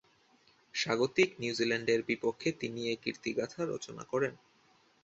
স্বাগতিক নিউজিল্যান্ডের বিপক্ষে তিনি এ কীর্তিগাঁথা রচনা করেন।